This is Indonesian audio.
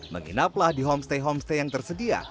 menginaplah di homestay homestay yang tersedia